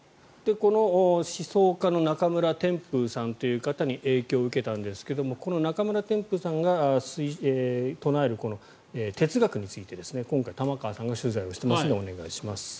この思想家の中村天風さんという方に影響を受けたんですがこの中村天風さんが唱える哲学について今回玉川さんが取材をしていますのでお願いします。